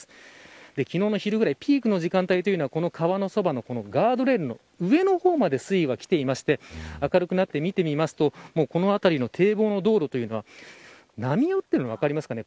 昨日のピークの時間帯はこの川のガードレールの上の方まで水位がきていまして明るくなって見てみますとこの辺りの堤防の道路というのは波打っているのが分かりますかね。